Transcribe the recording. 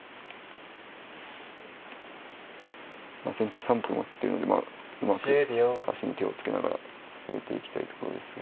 先手は３歩持ってるのでうまく端に手をつけながら攻めていきたいところですが。